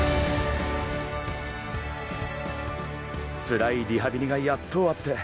つらいリハビリがやっと終わって。